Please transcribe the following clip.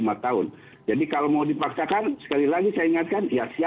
jadi kalau mau dipaksakan sekali lagi saya ingatkan ya siapkan saja